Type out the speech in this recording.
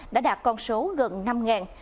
đã đạt con số gần năm